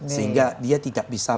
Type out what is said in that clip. sehingga dia tidak bisa